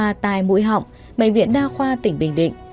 em thương đã ra tay mũi họng bệnh viện đa khoa tỉnh bình định